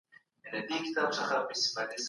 په لویه جرګه کي د بشري حقونو په اړه څه ویل کېږي؟